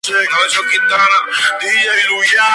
Napoleón ordena concentrar su fuego en un sólo lugar.